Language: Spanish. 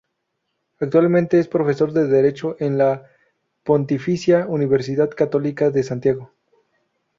Actualmente es profesor de derecho en la Pontificia Universidad Católica de Santiago.